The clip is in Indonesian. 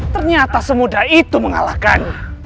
ternyata semudah itu mengalahkan